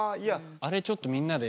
あれちょっとみんなで。